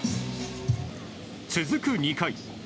続く２回。